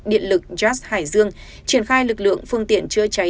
điện lực jas hải dương triển khai lực lượng phương tiện chữa cháy